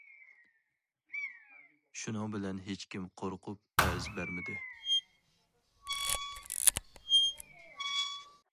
شۇنىڭ بىلەن ھېچكىم قورقۇپ ئەرز بەرمىدى.